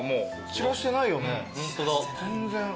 散らしてないよね全然。